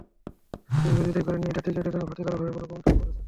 শুধু বিরোধিতাই করেননি, এটা ক্রিকেটের জন্য ক্ষতিকারক হবে বলেও মন্তব্য করেছেন।